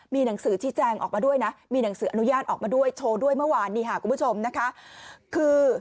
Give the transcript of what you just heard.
มีหนังสือชี้แจงออกมาด้วยนะมีหนังสืออนุญาตออกมาด้วยโชว์ด้วยเมื่อวานนี้ค่ะคุณผู้ชมนะคะคือ